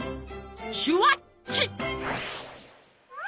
シュワッチ！